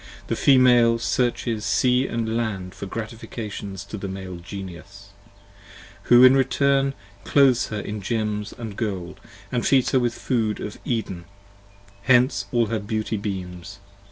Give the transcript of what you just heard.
The Female searches sea & land for gratifications to the Male Genius: who in return clothes her in gems & gold And feeds her with the food of Eden, hence all her beauty beams.